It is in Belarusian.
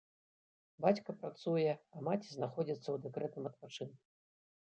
Бацька працуе, а маці знаходзіцца ў дэкрэтным адпачынку.